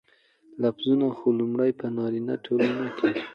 لفظونه خو لومړى په نارينه ټولنه کې